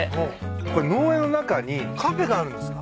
これ農園の中にカフェがあるんですか？